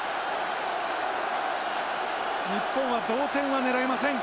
日本は同点は狙えません。